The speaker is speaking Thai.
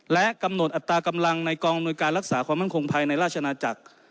และกำหนดอัตรากำลังในกองอำนวยการรักษาความมั่นคงภายในราชนาจักร